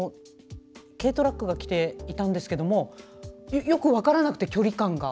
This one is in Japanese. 軽トラックが来ていたんですけどよく分からなくて、距離感が。